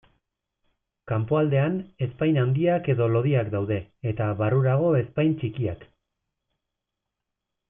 Kanpoaldean, ezpain handiak edo lodiak daude eta barrurago ezpain txikiak.